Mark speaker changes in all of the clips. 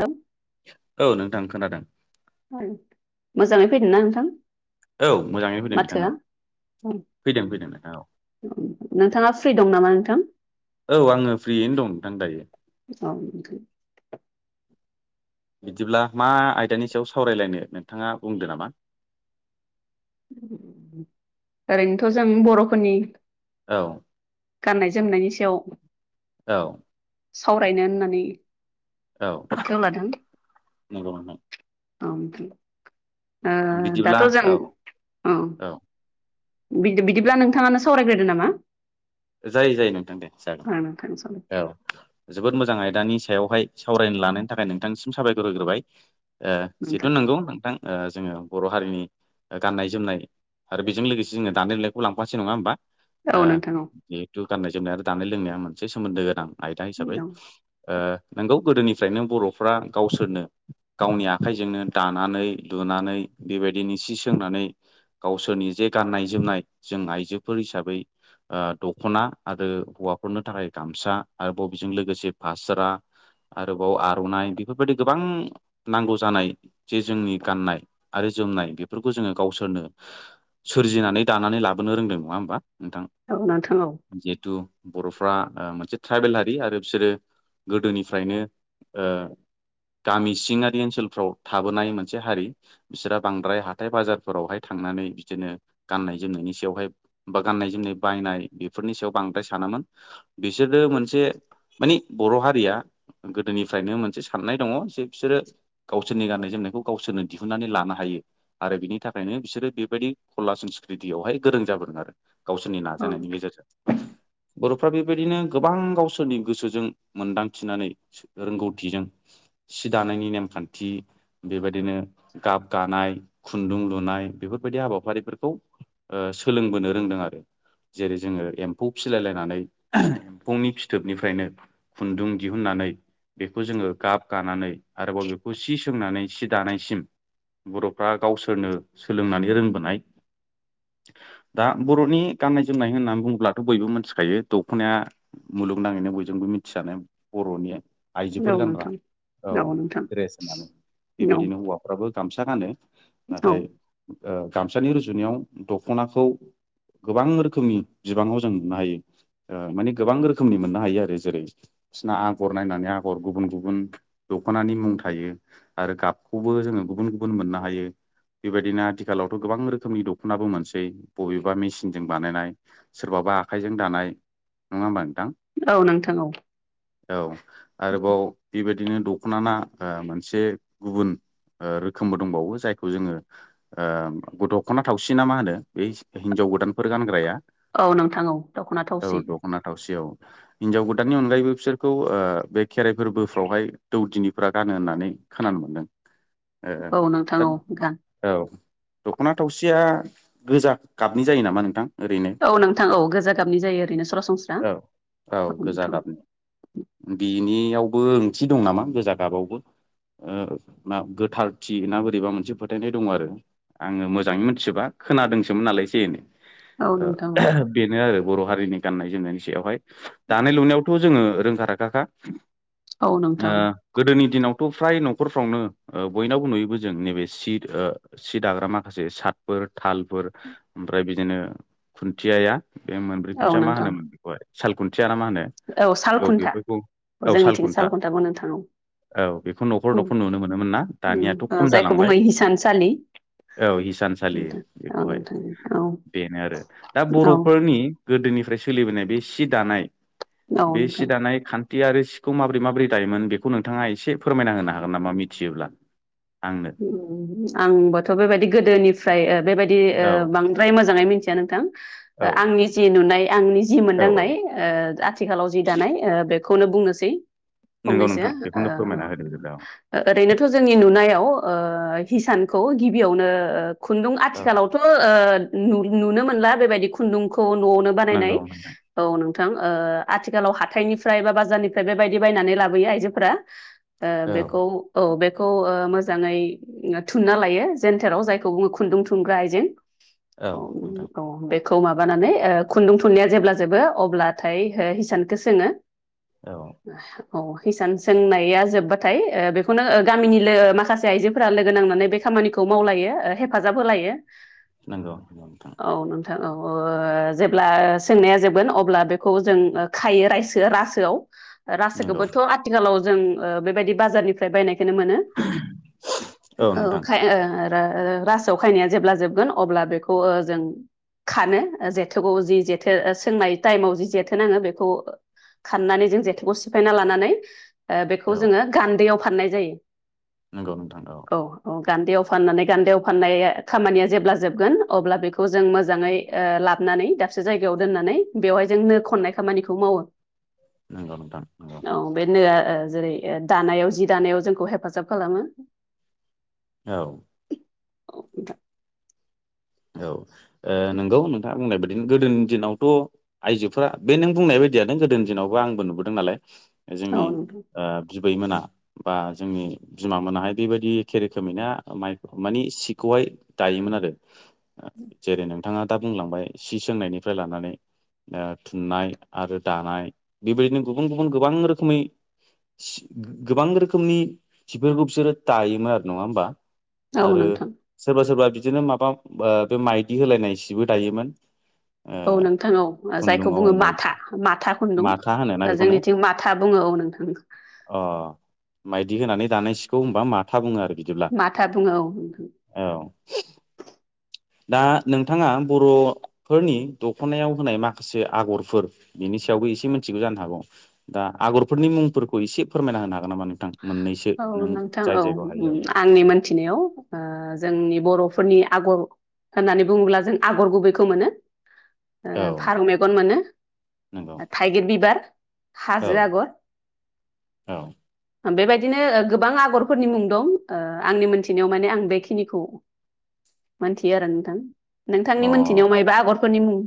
Speaker 1: ओं।
Speaker 2: औ नोंथां खोनादों
Speaker 1: ओं मोजाङै फैदों ना नोंथां
Speaker 2: औ मोजाङै फैदों नोंथां औ
Speaker 1: ओम
Speaker 2: फैदों फैदों नोंथां औ
Speaker 1: नोंथाङा फ्रि दं नामा नोंथां
Speaker 2: औ आङो फ्रियैनो दं नोंथां दायो
Speaker 1: औ
Speaker 2: बिदिब्ला मा आयदानि सायाव सावरायलायनो नोंथाङा बुंदो नामा
Speaker 1: ओरैनोथ जों बर'फोरनि
Speaker 2: औ
Speaker 1: गाननाय जोमनायनि सायाव
Speaker 2: औ
Speaker 1: सावरायनो होननानै
Speaker 2: औ
Speaker 1: आखायाव लादों
Speaker 2: नंगौ नोंथां
Speaker 1: औ नोंथां ओ
Speaker 2: बिदिब्ला
Speaker 1: दाथ' जों
Speaker 2: औ औ
Speaker 1: बिदि बिदिब्ला नोंथाङानो सावरायग्रोदो नामा
Speaker 2: जायो जायो नोंथां दे जागोन
Speaker 1: आं नोंथां सावराय
Speaker 2: औ जोबोद मोजां आयदानि सायावहाय सावरायनो लानायनि थाखाय नोंथांनिसिम साबायखर होग्रोबाय ओ
Speaker 1: नोंथां
Speaker 2: जिथु नंगौ नोंथां ओ जोङो बर' हारिनि गाननाय जोमनाय आरो बेजों लोगोसे जो दानाय लुनायखौ लांफासै नङा होमबा
Speaker 1: औ नोंथां औ
Speaker 2: जिथु गाननाय जोमनाय आरो दानाय लोंनाया मोनसे सोमोन्दो गोनां आयदा हिसाबै
Speaker 1: औ
Speaker 2: ओ नोंगौ गोदोनिफ्रायनो बर'फ्रा गावसोरनो गावनि आखाइजोंनो दानानै लुनानै बेबायदिनो सि सोंनानै गावसोरनि जे गाननाय जोमनाय जों आइजोफोर हिसाबै ओ दख'ना आरो हौवाफोरनो थाखाय गामसा आरो बबेजों लोगोसे फास्रा आरोबाव आर'नाइ बेफोरबायदि गोबां नांगौ जानाय जे जोंनि गाननाय आरो जोमनाय बेफोरखौ जोङो गावसोरनो सोरजिनानै दानानै लाबोनो रोंदों नङा होमबा नोंथां
Speaker 1: औ नोंथां औ
Speaker 2: जिहेथु बर'फ्रा ओमोनसे ट्राइबेल हारि आरो बिसोरो गोदोनिफ्रायनो ओ गामि सिङारि ओनसोलफ्राव थाबोनाय मोनसे हारि बिसोरहा बांद्राय हाथाय बाजारफोरावहाय थां नानै बिदिनो गाननाय जनायनि सायावहाय बा गाननाय जोमनाय बायनाय बेफोरनि सायाव बांद्राय सानामोन बिसोरो मोनसे माने बर' हारिया गोदोनिफ्रायनो मोनसे साननाय दङ जे बिसोरो गावसोरनि गाननाय जोमनायखौ गावसोरनो दिहुननानै लानो हायो आरो बिनि थाखायनो बिसोरो बेबायदि कला संस्कृतियावहाय गोरों जायो गोरों जायो गावसोरनि
Speaker 1: औ
Speaker 2: नाजानायनि गेजेरजों बर'फोरा बे बेबायदिनो गोबां गावसोरनि गोसोजों नायनि‌ नेमखान्थि बेबायदिनो गाब गानाय खुन्दुं लुनाय बेफोरबायदि हाबाखौ हाबाफारिफोरखौ ओ सोलोंबोनो रोंदों आरो जेरै जोङो एम्फौ फिलायलायनानै एम्फौनि फिथोबनिफ्रायनो खुन बेखौ जोङो गाब गानानै आरोबाव बेखौ बर'फ्रा गावसोरनो सोलोंनानै रोंबोनाय दा बर'नि गाननाय जोमनाय होननानै बुङोब्लाथ' बयबो मिथिखायो दख'नाया
Speaker 1: औ
Speaker 2: आइजोफोर गानग्रा
Speaker 1: नोंथां
Speaker 2: औ ड्रेस होननानै
Speaker 1: औ
Speaker 2: बेबायदिनो हौवाफ्राबो गामसा गानो नाथाय ओ गामसानि रुजुनायाव दख'नाखौ गोबां रो खोमनि बिबाङाव जों नुनो हायो ओ माने गोबां रोखोमनि मोननो हायो आरो जेरै बिसना आगर नायनानै आगर गुबुन गुबुन दख'नानि मुं थायो आरो गाबखौबो जोङो गुबुन गुबुन मोननो हायो। बेबायदिनो आथिखालावथ' गोबां रोखोमनि दख'नाबो मोनसै बबेबा मेसिनजों बानायनाय सोरबाबा आखाइजों दानाय नङा होमबा नोंथां
Speaker 1: औ नोंथां औ
Speaker 2: [unintelligible] ओ रोखोमबो दंबावो जायखौ जोङो ओ दख'ना थावसि ना मा होनो बे हिनजाव गोदान फोर गानग्राया
Speaker 1: औ नोंथां औ दख'ना थावसि
Speaker 2: जेव हिनजाव गोदाननि अनगायैबो बिसोरखौ ओ बे खेराइ फोरबोफ्रावहाय दौदिनिफोरा गानो हो नानै खोनानो मोनदों
Speaker 1: [inaudible]
Speaker 2: ओ ओ
Speaker 1: औ नोंथां
Speaker 2: थोद
Speaker 1: औ गा
Speaker 2: औ दख'ना थावसिया गोजा गाबनि जायो नामा नों
Speaker 1: औ नोंथां औ गोजा गाबनि जायो ओरैनो सरासनस्रा औ नोथां
Speaker 2: बिनियावबो ओंथि दं नामा गोजा गाबावबो ओ मा गोथारथि ना बोरैबा मोनसे फोथायनाय दं आरो आङो मोजाङै मिथिजोबा खोनादोंसोमोन नालाय एसे एनै
Speaker 1: औ
Speaker 2: ओ
Speaker 1: नोंथां औ
Speaker 2: बेनो आरो बर' हारिनि गाननाय जोमनायनि सायावहाय दानाय लुनायावथ' जोङो रोंखा राखाखा
Speaker 1: औ
Speaker 2: ओ
Speaker 1: नोंथां
Speaker 2: गोदोनि दिनाव थ' फ्राय न'खरफ्रावनो ओ बयनावबो नुयोबो जों नैबे सि सि दाग्रा माखासे साफोर थालफोर फ्राय बिदिनो खुन्थियाया बे मोनब्रै
Speaker 1: औ
Speaker 2: खुन्थिया मा
Speaker 1: नोंथां
Speaker 2: होनोमोन बेखौहाय साल खुन थिया ना मा होनो
Speaker 1: साल
Speaker 2: औ
Speaker 1: खुन्था
Speaker 2: बेफोरखौ औ
Speaker 1: जोंनिथिं साल
Speaker 2: सालखुन्था
Speaker 1: खुन्थाखौ नोंथां औ
Speaker 2: औ बेखौ न'खर
Speaker 1: उम
Speaker 2: न'खर नुनो मोनोमोन ना दानियाथ'
Speaker 1: उम ओ
Speaker 2: खम
Speaker 1: जायखौ
Speaker 2: जालांबाय
Speaker 1: बुङो हिसानसालि
Speaker 2: औ हिसानसालि
Speaker 1: नोंथां औ
Speaker 2: बेखौहाय
Speaker 1: नोंथां औ
Speaker 2: बेनो आरो दा
Speaker 1: औ
Speaker 2: बर'फोरनि गोदोनिफ्राय सोलिबोनाय बे सि दानाय
Speaker 1: औ
Speaker 2: बे सि
Speaker 1: नोंथां
Speaker 2: दानाय खान थियारि सिखौ माबोरै माबोरै दायोमोन बेखौ नोंथाङा एसे फोरमायना होनो हागोन नामा मिथियोब्ला आंनो
Speaker 1: आंबोथ' बेबायदि गोदोनिफ्राय बेबायदि ओ
Speaker 2: औ
Speaker 1: बांद्राय मोजाङै मिथिया नोंथां
Speaker 2: औ
Speaker 1: आंनि जि नुनाय आंनि जि
Speaker 2: औ औ
Speaker 1: मोनदांनाय ओ आथिखालाव जि दानाय ओ बे खौनो बुंनोसै
Speaker 2: नंगौ
Speaker 1: फंनैसो
Speaker 2: नोंथां बेखौनो
Speaker 1: ओ
Speaker 2: फोरमायना होदो बिदिब्ला औ
Speaker 1: ओरैनोथ' जोंनि नुनायाव ओ हिसानखौ गिबियावनो खुन्दुं
Speaker 2: औ
Speaker 1: आथिखालावथ' ओ नुनो मोनला बेबायदि खुन्दुंखौ न'आवनो बानायनाय
Speaker 2: नंगौ नोंथां
Speaker 1: औ नों थां ओ आथिखालाव हाथायनिफ्राय बा बाजारनिफ्राय बेबायदि बायनानै लाबोयो आइजोफोरा ओ
Speaker 2: औ
Speaker 1: बेखौ औ बेखौ ओ मो जाङै थुनना लायो जेन्टेराव जायखौ बुङो खुन्दुं थुनग्रा आइजें
Speaker 2: औ नोंथां।
Speaker 1: खौ माबानानै ओ खुन्दुं थुनायया जेब्ला जोबो अब्लाथाय हिसानखौ सोङो
Speaker 2: औ
Speaker 1: औ हिसान सोंनाया जोब्बाथाय ओ बेखौनो ओ गामिनि लो माखा से आइजेंफोरा लोगो नांनानै बे खामानिखौ मावलायो हेफाजाब होलायो
Speaker 2: नंगौ नोंथां
Speaker 1: [unintelligible] जेब्ला सोंनाया जोबगोन अब्ला बेखौ जों खायो रायस रासोआव
Speaker 2: नंगौ
Speaker 1: रासोखौबोथ' आथिखालाव जों ओ बेबायदि बाजारनिफ्राय बायनायखौनो मोनो औ खायो। आरो रासोआव खायनाया जेब्ला जोबगोन अब्ला बेखौ जों खानो जेथोखौ जि जेथो सोंनाय टाइमाव जि जेथो नाङो बेखौ खाननानै जों जेथोखौ सिफायना लानानै ओ बेखौ
Speaker 2: औ
Speaker 1: जोङो गान्दैयाव फाननाय जायो।
Speaker 2: नंगौ नोंथां औ
Speaker 1: गान्दैयाव फाननानै, गान्दैयाव फाननाय खामानिया जेब्ला जोबगोन अब्ला बेखौ जों मोजाङै ओ लाब नानै दाबसे जायगायाव दोननानै बेवहाय जों नो खननाय खामानिखौ मावो।
Speaker 2: नंगौ नोंथां नंगौ।
Speaker 1: औ बे नोआ ओ जेरै- दानायाव जि दानायाव जोंखौ हेफाजाब खालामो।
Speaker 2: औ
Speaker 1: औ दा
Speaker 2: औ नंगौ। नोंथाङा बुंनाय बा दिनो गोदोनि दिनावथ' आइजोफोरा बे नों बुंनाय बायदियानो गोदोनि दिनावबो आंबो नुबोदों नालाय।
Speaker 1: औ
Speaker 2: जोंनि
Speaker 1: नोंथां
Speaker 2: बिबैमोना बा जोंनि बिमा मोनाहाय बे बायदि एखे रोखोमैना माइ मानि सिखौहाय दायोमोन। आरो जेरै नोंथाङा दा बुंलांबाय सि सोंनायनिफ्राय लानानै ओ थुननाय आरो दानाय बे बायदिनो गुबुन गुबुन गोबां रोखोमै गोबां रोखोमनि सिफोरखौ बिसोरो दायोमोन आरो नङा होमबा?
Speaker 1: औ
Speaker 2: आरो
Speaker 1: नोंथां
Speaker 2: सोरबा सोरबा बिदिनो माबा ओ बे माइदि होलायनाय सिबो दायोमोन। ओ
Speaker 1: औ नोंथां औ। जायखौ
Speaker 2: खुन्दुङाव
Speaker 1: बुङो
Speaker 2: माइ
Speaker 1: माथा माथा खुन्दुं।
Speaker 2: माथा होनोना बेखौनो
Speaker 1: जोंनिथिं माथा बुङो औ नोंथां।
Speaker 2: मायदि होनानै दानाय सिखौ होनबा माथा बुङो आरो। बिदिब्ला,
Speaker 1: माथा बुङो औ
Speaker 2: औ। दा नोंथाङा बर'फोरनि दख'नायाव होनाय माखासे आगरफोर बिनि सायावबो एसे मिथिगौ जानो हागौ। दा आगरफोरनि मुंफोरखौ एसे फोरमायना होनो हागोन नामा नोंथां? मोननैसो
Speaker 1: औ
Speaker 2: नों
Speaker 1: नोंथां
Speaker 2: जाय
Speaker 1: औ।
Speaker 2: जायगायाव हायो
Speaker 1: आंनि मोनथिनायाव ओ जोंनि बर' फोरनि आगर होननानै बुङोब्ला जों आगर गुबैखौ मोनो। ओ
Speaker 2: औ
Speaker 1: फारौ मेगन मोनो,
Speaker 2: नंगौ
Speaker 1: थाइगिर बिबार,
Speaker 2: औ
Speaker 1: हाजो आगर,
Speaker 2: औ।
Speaker 1: बिदिनो ओ गोबां आग'रफोरनि मुं दं। ओ आंनि मोनथिनायाव माने आं बेखिनिखौ मोनथियो आरो नोंथां। नोंथांनि
Speaker 2: अ
Speaker 1: मोनथिनायाव मायबा आगरफोरनि मुं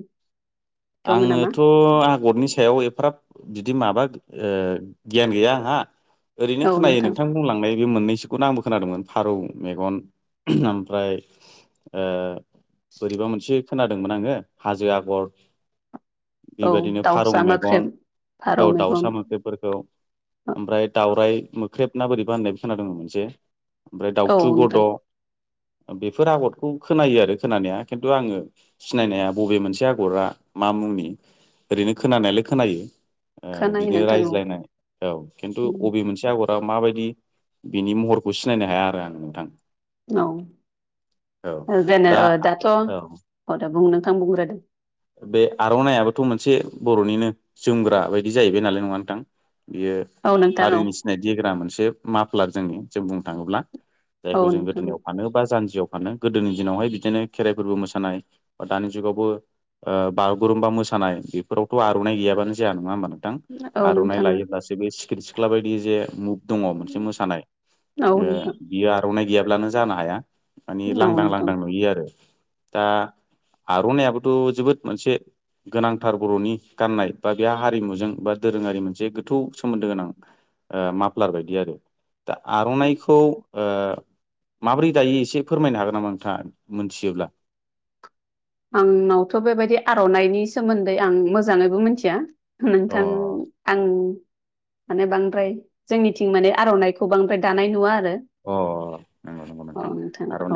Speaker 1: दङ नामा
Speaker 2: आङोथ' आगरनि सायाव एफ्राग्राब बिदि माबा ओ गियान गैया आंहा ओरैनो खोनायो नोंथां बुंलांनाय बे मोननै बिसोरखौनो आंबो खोनादोंमोन फारौ मेगन ओमफ्राय ओ बोरैबा मोनसे खोनादोंमोन आङो हाजो आगर, बे
Speaker 1: औ
Speaker 2: बायदिनो फारौ
Speaker 1: दाउसा मोख्रेब
Speaker 2: मेगन,
Speaker 1: फारौ
Speaker 2: औ
Speaker 1: मेगन
Speaker 2: दाउसा मोख्रेबफोरखौ ओमफ्राय दावराइ मोख्रेब ना बोरैबा होननायबो खोनादोंमोन मोनसे, ओमफ्राय
Speaker 1: औ
Speaker 2: दाउथु गद',
Speaker 1: नोंथां
Speaker 2: बेफोर आगरखौ खोनायो आरो खोनानाया खिन्थु आङो सिनायनाया बबे मोनसे आगरा मा मुंनि ओरैनो खोनानायालाय खोनायो। ओ
Speaker 1: खोनायो
Speaker 2: बिदिनो
Speaker 1: नोंथां औ
Speaker 2: रायज्लायनाय औ खिन्थु अबे मोनसे आगर मा बायदि बिनि महरखौ सिनायनो हाया आरो आं नोंथां।
Speaker 1: औ। जेने
Speaker 2: दा
Speaker 1: ओ दाथ' औ दा बुंनो [unintelligible] बुंग्रोदो
Speaker 2: बे आर'नायइबोथ' मोनसे बर'निनो जोमग्रा बायदि जाहैबाय नालाय नङा नोंथां। बियो
Speaker 1: औ नोंथां औ
Speaker 2: हारिनि सिनायथि होग्रा मोनसे माफ्लार जोंनि जों बुंनो थाङोब्ला।
Speaker 1: औ
Speaker 2: जायखौ जों
Speaker 1: नोंथां
Speaker 2: गोदोनायाव फानो बा जानजियाव फानो गोदोनि दिनावहाय बिदिनो खेराइफोरबो मोसानाय बा दानि जुगावबो ओ बागुरुमबा मोसानाय बेफोरावथ' आर'नाइ गैयाबानो जाया नङा होमबा नोंथां?
Speaker 1: औ
Speaker 2: आर'नाइ
Speaker 1: नोंथां औ
Speaker 2: लायोब्लासो बे सिख्रि सिख्ला बायदि जे मु- दङ मोनसे मोसानाय
Speaker 1: औ
Speaker 2: ओ
Speaker 1: नोंथां
Speaker 2: इयो आर'नाइ गैयाब्लानो जानो हाया। मानि
Speaker 1: औ
Speaker 2: लांदां
Speaker 1: नोंथां
Speaker 2: लांदां नुयो आरो। दा आर'नाइबोथ' जोबोद मोनसे गोनांथार बर'नि गाननाय बा बे हारिमुजों बा दोरोङारि मोनसे गोथौ सोमोन्दो गोनां ओ माफ्लार बायदि आरो। दा आर'नाइखौ ओ- माब्रै दायो एसे फोरमायनो हागोन नामा नोंथाङा मोनथियोब्ला
Speaker 1: आंनावथ' बेबायदि आर'नाइनि सोमोन्दै आं मोजाङैबो मिथिया
Speaker 2: अ
Speaker 1: नोंथां आं- माने बांद्राय जोंनिथिं माने आर'नाइखौ बांद्राय दानाय नुवा आरो
Speaker 2: अ- अ-
Speaker 1: औ
Speaker 2: नोंथां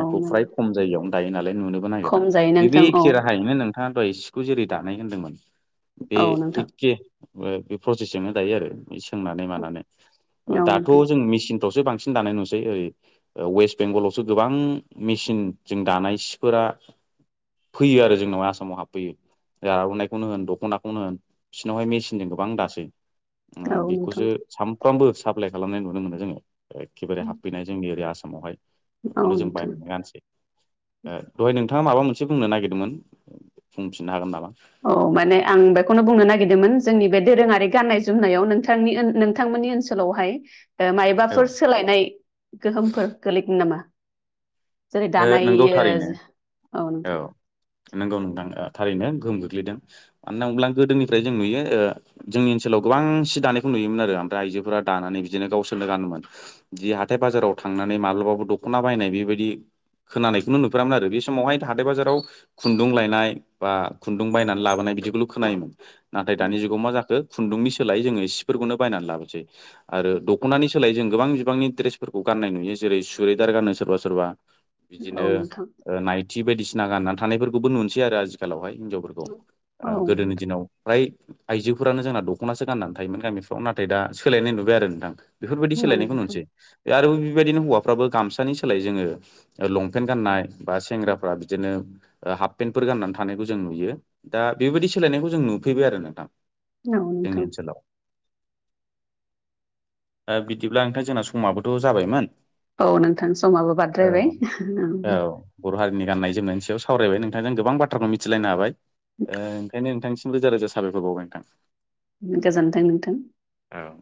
Speaker 1: औ
Speaker 2: फ्राय
Speaker 1: माने
Speaker 2: खम जायगायावनो दायो नालाय नुनोबो नागिरा
Speaker 1: खम जायो नोंथां औ
Speaker 2: बेखेराहायैनो नोंथाङा दहाय सिखौ जेरै दानाय होन्दोंमोन बे
Speaker 1: औ नोंथां
Speaker 2: एखे ओ- बे नो दायो आरो सोंनानै मानानै
Speaker 1: औ
Speaker 2: दाथ'
Speaker 1: नोंथां
Speaker 2: जों मेसिनफ्रावसो बांसिन दानाय नुसै ओरै वेस्ट बेंगलावसो गोबां मेसिन जों दानाय सिफोरा फैयो आरो जोंनावहाय आसामाव हाबफैयो आरनायखौनो होन दख'नाखौनो होन बिसोरनावहाय मेचिनजों गोबां दासै
Speaker 1: औ
Speaker 2: ओ
Speaker 1: नोंथां
Speaker 2: बेखौसो सामफ्रामबो साप्लाय खालामनाय नुनो मोनो जोङो एखेबारे हाब जोंनि एरै आसामावहाय
Speaker 1: औ
Speaker 2: बेखौनो जों
Speaker 1: नोंथां
Speaker 2: बायनानै गाननोसै ओ दहाय नोंथाङा माबा मोनसे बुंनो नागिरदोंमोन बुंफिननो हागोन नामा
Speaker 1: औ माने आं बेखौनो बुंनो नागिरदोंमोन जोंनि बे दोरोङारि गाननाय जोमनायाव नोंथांनि नोंथांमोननि ओनसोलावहाय
Speaker 2: औ
Speaker 1: मायबाफोर सोलायनाय गोहोमफोर गोगलैगोन नामा जेरै दानाय
Speaker 2: नंगौ थारैनो
Speaker 1: ओ
Speaker 2: औ नंगौ नोंथां थारैनो गोहोम गोग्लैदों मानो होनना बुंब्ला गोदोनिफ्राय जों नुयो जोंनि ओनसोलाव गोबां सि दानायखौ नु नुयोमोन आरो आमफ्राय आयजोफोरा दानानै बिदिनो गावसोरनो गानोमोन हाथाइ बाजाराव थांनानै माब्लाबाबो दखना बायनाय बेबायदि खोनानायखौनो नुफेरामोन आरो बे समावहाय हाथाय बाजाराव खुन्दुं लायनाय बा खुन्दुं बायनानै लाबो लाबोनाय बिदिखौल खोनायोमोन नाथाय दानि जुगाव मा जाखो खुन्दुंनि सोलाय जोङो सिफोरखौनो बायनानै लाबोसै आरो दख'नानि सोलाय जों गोबां बिबांनि द्रेसफोरखौ गाननाय नुयो जेरै सुरिदार गानो सोरबा सोरबा बिदिनो
Speaker 1: औ नोंथां
Speaker 2: नाइथि बायदिसिना गाननानै थानायफोरखौबो नुनोसै आरो आजिखालावहाय हिनजावफोरखौ
Speaker 1: औ नोंथां औ
Speaker 2: गोदोनि दिनावफ्राय आइजोफोरानो जोंना दख'नासो गाननानै थायोमोन गामिफ्राव नाथाय दा सोलायनाय नुबाय आरो नोंथां बेफोरबायदि
Speaker 1: नोंथां औ
Speaker 2: सोलायनायखौ
Speaker 1: नोंथां
Speaker 2: नुनोसै आरो बेबायदिनो हौवाफ्राबो गामसानि सोलाय जोङो लंपेन गाननाय बा सेंग्राफ्रा बिदिनो हाफ पेन्टफोर गाननानै थानायखौ जों नुयो दा बेबायदि सोलायनायखौ जों नुफैबाय आरो नोंथां
Speaker 1: औ
Speaker 2: जोंनि
Speaker 1: नोंथां
Speaker 2: ओनसोलाव ओ बिदिब्ला नोंथां जोंना समाबोथ' जाबायमोन
Speaker 1: औ नोंथां समाबो
Speaker 2: औ
Speaker 1: बाद्रायबाय
Speaker 2: औ बर' हारिनि गाननाय जोमनायनि सायाव सावरायबाय नोंथांजों गोबां बाथ्राखौ मिथिलायनो हाबाय ओंखायनो नोंथांसिम रोजा रोजा साबायखर बावबाय नोंथां
Speaker 1: गोजोन्थों नोंथां
Speaker 2: औ